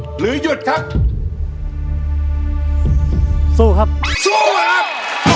สู้หรือยุดครับสู้ครับสู้ครับ